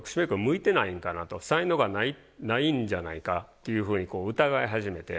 才能がないんじゃないかっていうふうに疑い始めて。